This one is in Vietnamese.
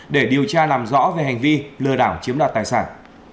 để điều tra làm rõ về hành vi lừa đảo chiếm đoạt tài sản